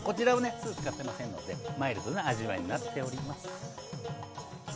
酢使ってませんのでマイルドな味わいになっております。